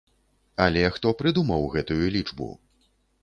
Але хто прыдумаў гэтую лічбу?!